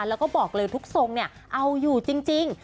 แล้วก็บอกเลยทุกทรงเนี่ยเอาอยู่จริง